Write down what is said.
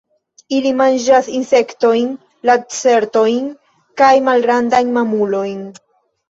Ili manĝas insektojn, lacertojn kaj malgrandajn mamulojn.